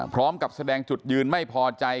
พร้อมกับแสดงจุดยืนไม่พอใจ